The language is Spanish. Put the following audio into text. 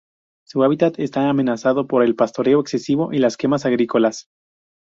Su hábitat está amenazado por el pastoreo excesivo y las quemas agrícolas.